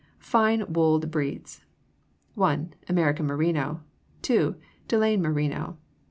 Fine Wooled Breeds 1. American Merino. 2. Delaine Merino.